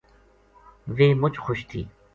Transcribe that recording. ویہ مُچ خوش تھی